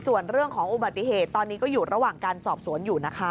ส่วนเรื่องของอุบัติเหตุตอนนี้ก็อยู่ระหว่างการสอบสวนอยู่นะคะ